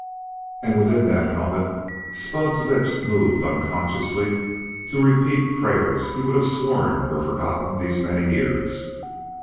And, within that helmet, Spud's lips moved unconsciously to repeat prayers he would have sworn were forgotten these many years.